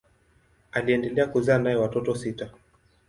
Aliendelea kuzaa naye watoto sita.